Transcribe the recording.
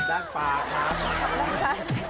กับด้านปากค่ะกับด้านปากค่ะ